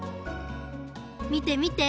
みてみて！